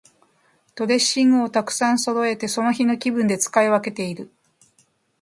ドレッシングをたくさんそろえて、その日の気分で使い分けている。